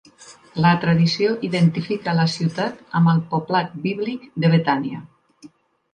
La tradició identifica la ciutat amb el poblat bíblic de Betània.